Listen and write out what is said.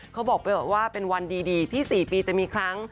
เขาบอกไปว่าเป็นวันดีที่๔ปีจะมีครั้ง